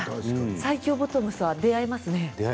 最強ボトムスに出会えますね。